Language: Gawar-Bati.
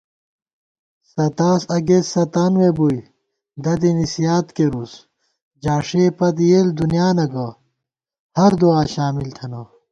ستاس اگست ستانوے بُوئی دَدے نِسِیات کېرُوس * جاݭے پت یېل دُنیانہ گہ ہر دُعا شامل تھنہ